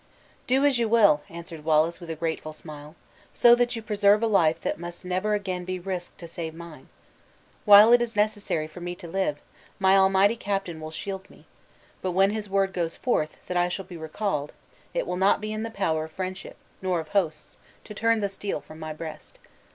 "Do as you will," answered Wallace, with a grateful smile; "so that you preserve a life that must never again be risked to save mine. While it is necessary for me to live, my Almighty Captain will shield me; but when his word goes forth, that I shall be recalled, it will not be in the power of friendship, nor of hosts, to turn the steel from my breast.